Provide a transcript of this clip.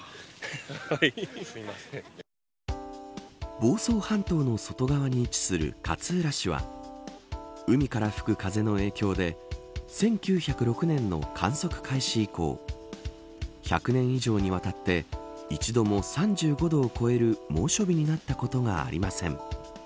房総半島の外側に位置する勝浦市は海から吹く風の影響で１９０６年の観測開始以降１００年以上にわたって一度も３５度を超える猛暑日になったことがありません。